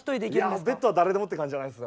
いやベッドは誰でもって感じじゃないです。